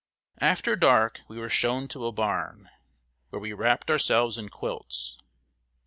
After dark we were shown to a barn, where we wrapped ourselves in quilts.